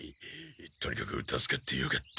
とにかく助かってよかった。